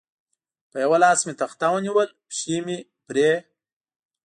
په یوه لاس مې تخته ونیول، پښې مې پرې.